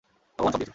ভগবান সব দিয়েছে।